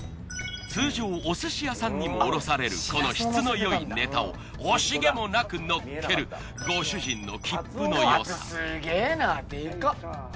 通常お寿司屋さんにも卸されるこの質のよいネタを惜しげもなくのっけるご主人のきっぷのよさ。